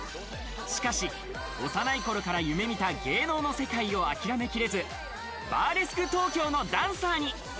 しかし、幼い頃から夢見た芸能の世界を諦めきれず、バーレスク東京のダンサーに。